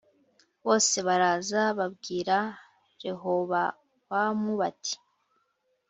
bose baraza babwira Rehobowamu bati